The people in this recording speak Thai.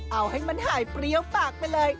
เอาให้มันหายเปรี้ยวปากไปเลย